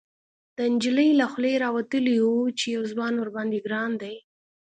، د نجلۍ له خولې راوتلي و چې يو ځوان ورباندې ګران دی.